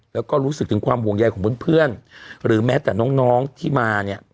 แล้วก็รู้สึกถึงความห่วงใยของเพื่อนหรือแม้แต่น้องที่มาเนี่ย